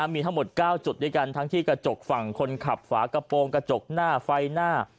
มีทั้งหมด๙จุดด้วยกันทั้งที่กระจกฝั่งคนขับฝากระโปรงกระจกหน้าไฟหน้า